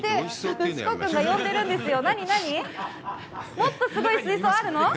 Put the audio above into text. もっとすごい水槽があるの？